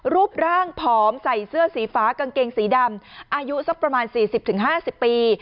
รูปร่างผอมใส่เสื้อสีฟ้ากางเกงสีดำอายุสักประมาณ๔๐๕๐ปี